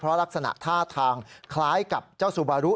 ลักษณะท่าทางคล้ายกับเจ้าซูบารุ